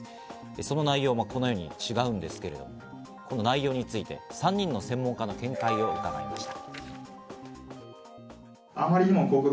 その内容、このように違うんですけど、内容について３人の専門家の見解を伺いました。